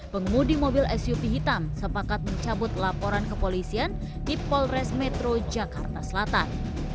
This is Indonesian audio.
pengemudi mobil suv hitam sepakat mencabut laporan kepolisian di polres metro jakarta selatan